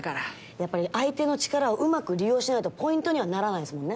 やっぱり相手の力をうまく利用しないとポイントにはならないっすもんね。